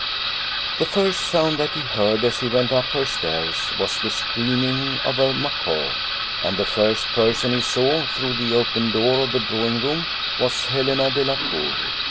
The first sound that he heard, as he went up her stairs, was the screaming of a macaw; and the first person he saw, through the open door of the drawing room, was Helena Delacour.